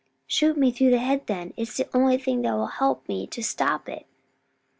"Shoot me through the head then: it's the only thing that'll help me to stop it."